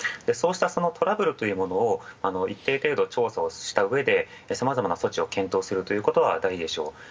そうしたトラブルを一定程度調査したうえでさまざまな措置を検討するということは大事でしょう。